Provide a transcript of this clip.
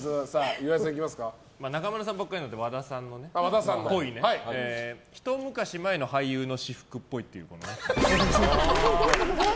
中村さんばっかりなので和田さんのっぽいです。ひと昔前の俳優の私服っぽい。